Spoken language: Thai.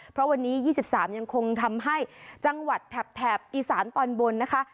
เพราะวันนี้๒๓ยังคงทำให้จังหวัดแถบอีสานตอนบนนะคะ